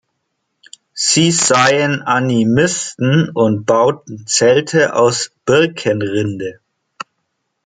Sie seien Animisten und bauten Zelte aus Birkenrinde.